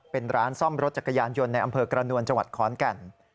เป็นร้านซ่อมรถจักรยานยนต์ในอำเภอกรณวลจค้อนกัน